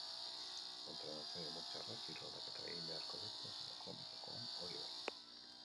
Entrenatzaile murtziarrak hiru aldaketa egin beharko ditu hasierako hamaikakoan, hori bai.